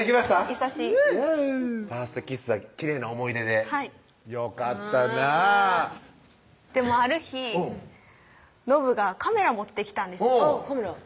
優しいフゥーファーストキスはきれいな思い出ではいよかったなぁでもある日うんのぶがカメラ持ってきたんですカメラ